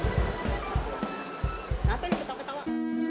ngapain lo ketawa ketawa